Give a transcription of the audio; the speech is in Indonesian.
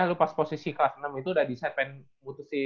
lu pas posisi kelas enam itu udah decide pengen